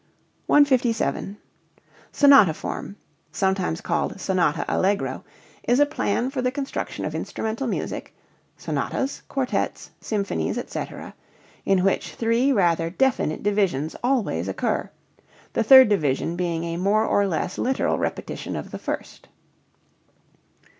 157. Sonata form (sometimes called sonata allegro) is a plan for the construction of instrumental music (sonatas, quartets, symphonies, etc.), in which three rather definite divisions always occur, the third division being a more or less literal repetition of the first.